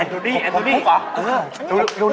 แอ่นดูดี้กูคุกหรอ